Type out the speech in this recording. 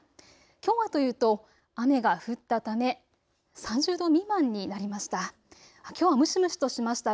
きょうはというと雨が降ったため３０度未満になりました。